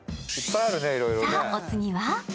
さぁ、お次は？